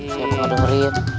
saya pengen dengerin